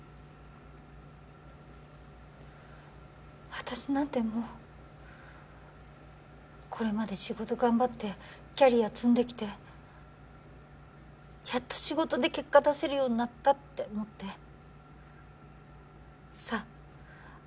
私なんてもうこれまで仕事頑張ってキャリア積んできてやっと仕事で結果出せるようになったって思ってさあ